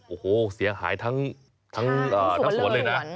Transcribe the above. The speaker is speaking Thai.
โอ้โหเสียหายทั้งสวนเลยนะ